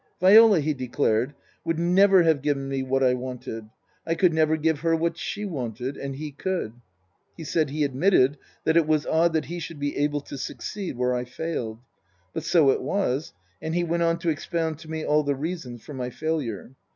Viola, he declared, would never have given me what I wanted. I could never give her what she wanted. And he could. He said he admitted that it was odd that he should be able to succeed where I failed ; but so it was, and he went on to expound to me all the reasons for my failure.